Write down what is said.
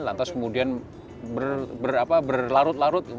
lantas kemudian berlarut larut